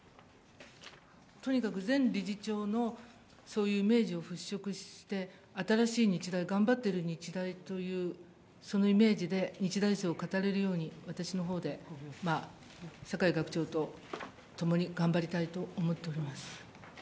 とにかく前理事長のそういうイメージを払拭して新しい日大、頑張ってる日大という、そのイメージで日大生を語れるように、私のほうで、まあ酒井学長と共に頑張りたいと思っております。